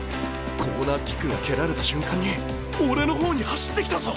コーナーキックが蹴られた瞬間に俺の方に走ってきたぞ！